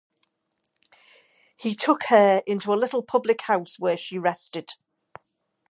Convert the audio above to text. He took her into a little public-house, where she rested.